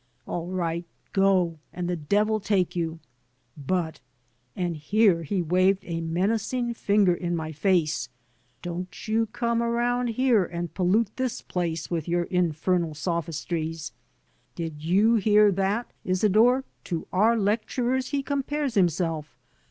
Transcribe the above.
All right, go, and the devil take you. But'* — ^and here he waved a menacing finger in my face — "don't you come around here and pollute this place with your infernal sophistries. Did you hear that, Isidore? To our lecturers he compares himself.